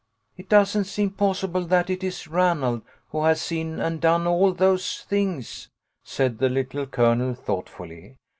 "It doesn't seem possible that it is Ranald who has seen and done all those things," said the Little Colonel, thoughtfully.